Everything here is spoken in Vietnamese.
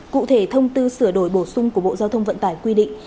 cụ thể thông tư sửa đổi bổ sung của bộ giao thông vận tải quy định